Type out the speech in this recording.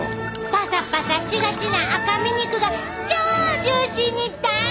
パサパサしがちな赤身肉が超ジューシーに大変身！